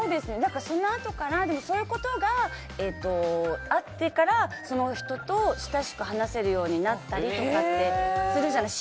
そのあとからそういうことがあってからその人と親しく話せるようになったりとかするじゃない。